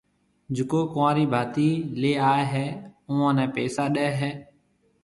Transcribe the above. جڪو ڪنوارِي ڀاتِي ليائيَ ھيََََ اوئون نيَ پيسا ڏَي ھيََََ